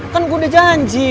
kan gue udah janji